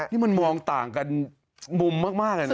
ที่มันมองต่างกันมุมมากเลยนะ